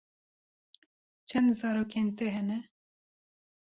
Çend zarokên te hene?